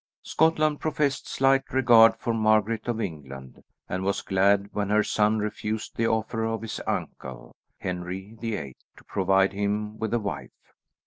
Scotland professed slight regard for Margaret of England, and was glad when her son refused the offer of his uncle, Henry the Eighth, to provide him with a wife.